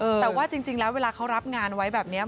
แต่ว่าจริงแล้วเวลาเขารับงานไว้แบบนี้